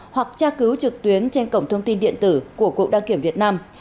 hoặc tra cứu trực tuyến trên cổng thông tin điện tử của cục đăng kiểm việt nam